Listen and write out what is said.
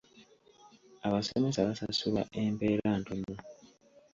Abasomesa basasulwa empeera ntono.